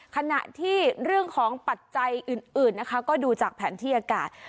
ขณะที่เรื่องของปัจจัยอื่นนะคะก็ดูจากแผนที่อากาศ